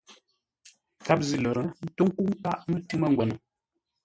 Gháp zʉ́ lə̂r, ə́ ntó ńkə́u nkâʼ mətʉ̌ mə́ngwə́nə.